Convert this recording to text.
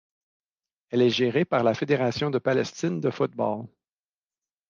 Elle est gérée par la Fédération de Palestine de football.